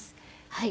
はい。